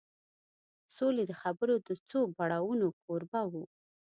سولې د خبرو د څو پړاوونو کوربه و